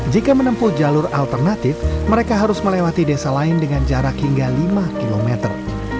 jika menempuh jalur alternatif mereka harus melewati desa lain dengan jarak hingga lima kilometer